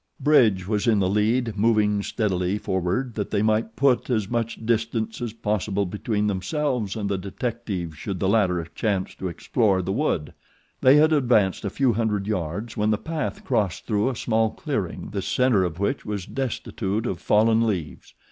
Bridge was in the lead, moving steadily forward that they might put as much distance as possible between themselves and the detective should the latter chance to explore the wood. They had advanced a few hundred yards when the path crossed through a small clearing the center of which was destitute of fallen leaves.